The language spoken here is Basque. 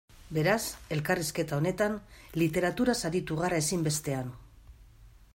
Beraz, elkarrizketa honetan, literaturaz aritu gara ezinbestean.